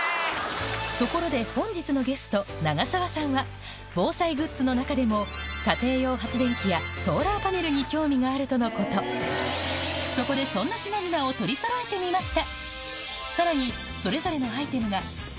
ところで本日のゲスト長澤さんは防災グッズの中でもに興味があるとのことそこでそんな品々を取りそろえてみました